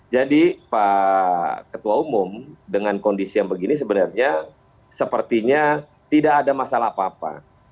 jadi pak ketua umum dengan kondisi yang begini sebenarnya sepertinya tidak ada masalah apa apa